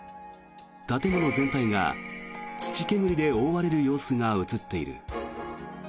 建物全体が土煙で覆われる様子が映っている。